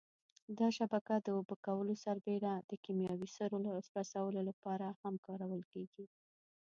دا شبکه د اوبه کولو سربېره د کېمیاوي سرو رسولو لپاره هم کارول کېږي.